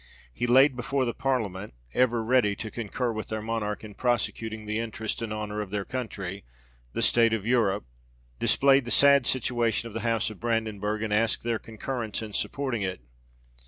He laid before the Parliament, ever ready to concur with their Monarch in prosecuting the interest and honour of their country, the state of Europe ; displayed the sad situation of the house of Brandenburg, and asked their concurrence in supporting it.